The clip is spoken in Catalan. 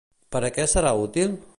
Per a què serà útil?